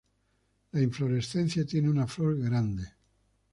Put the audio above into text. La inflorescencia tiene una flor grande.